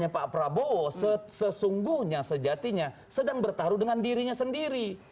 pak prabowo sesungguhnya sejatinya sedang bertarung dengan dirinya sendiri